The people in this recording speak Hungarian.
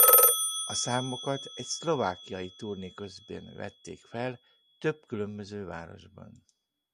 A számokat egy szlovákiai turné közben vettek fel több különböző városban.